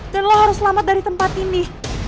dan lo harus selamat dari tempat ini